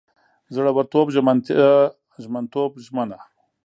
زړورتوب، ژمنتیا، ژمنتوب، ژمنه